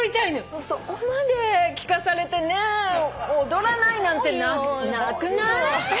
そこまで聞かされてね踊らないなんてなくない？いい？